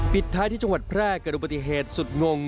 ท้ายที่จังหวัดแพร่เกิดอุบัติเหตุสุดงง